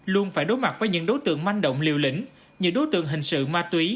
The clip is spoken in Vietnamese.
luôn phải đối mặt với những đối tượng manh động liều lĩnh những đối tượng hình sự ma túy